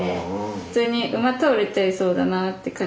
普通に馬通れちゃいそうだなって感じだったんで。